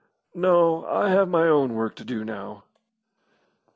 "No; I have my own work to do now."